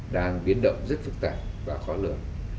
đang biến động rất phức tạp và khó lượng